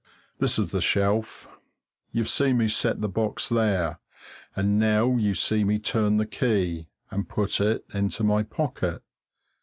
This is the shelf. You've seen me set the box there, and now you see me turn the key and put it into my pocket.